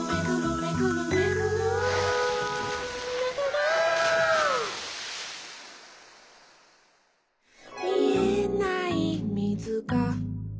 「めぐる」「みえないみずが」